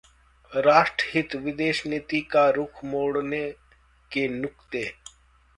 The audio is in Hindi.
राष्ट्र हित: विदेश नीति का रुख मोडऩे के नुक्ते